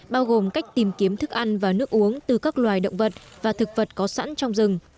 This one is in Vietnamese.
bao gồm cách tìm kiếm thức ăn và nước uống từ các loài động vật và thực vật có sẵn trong rừng